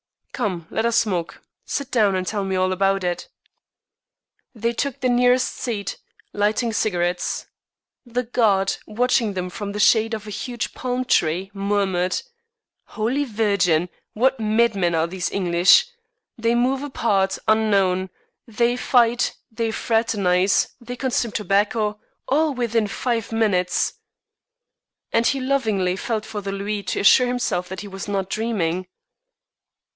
"Come, let us smoke. Sit down, and tell me all about it." They took the nearest seat, lighting cigarettes. The guard, watching them from the shade of a huge palm tree, murmured: "Holy Virgin, what madmen are these English! They move apart, unknown; they fight; they fraternize; they consume tobacco all within five minutes." And he lovingly felt for the louis to assure himself that he was not dreaming.